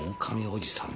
狼おじさん？